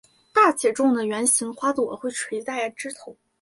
大且重的球形花朵会垂在枝头。